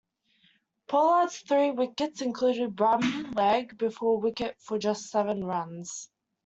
Pollard's three wickets included Bradman, leg before wicket for just seven runs.